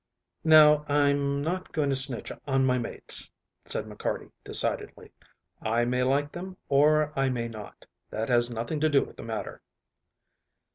"Now, I'm not going to snitch on my mates," said McCarty decidedly. "I may like them, or I may not, that has nothing to do with the matter."